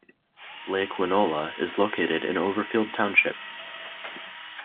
Lake Winola is located in Overfield Township.